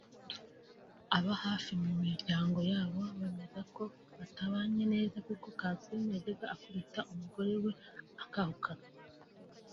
Aba hafi mu miryango yabo bemeza ko batabanye neza kuko Kansiime yajyaga akubita umugore we akahukana